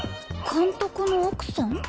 監督の奥さん？